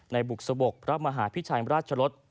บุกสะบกพระมหาพิชัยราชลศ